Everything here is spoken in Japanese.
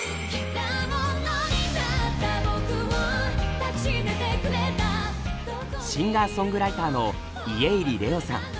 獣になった僕を抱き締めてくれたシンガーソングライターの家入レオさん。